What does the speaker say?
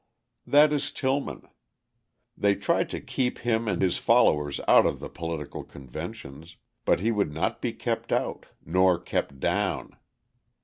That is Tillman. They tried to keep him and his followers out of the political conventions; but he would not be kept out, nor kept down.